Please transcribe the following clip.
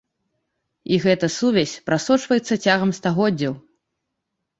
І гэта сувязь прасочваецца цягам стагоддзяў.